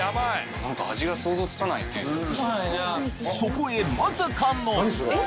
そこへまさかのあっ！